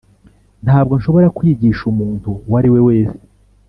ntabwo nshobora kwigisha umuntu uwo ari we wese,